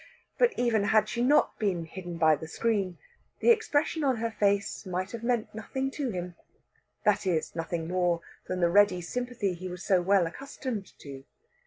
But even had she not been hidden by the screen, the expression on her face might have meant nothing to him that is, nothing more than the ready sympathy he was so well accustomed to.